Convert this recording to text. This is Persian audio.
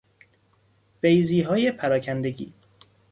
بیضیهای پراکندگی